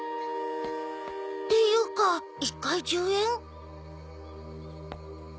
っていうか１回１０円？